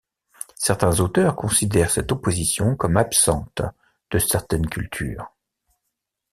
Certains auteurs considèrent cette opposition comme absente de certaines cultures.